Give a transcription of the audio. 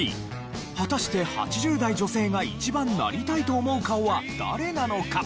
果たして８０代女性が一番なりたいと思う顔は誰なのか？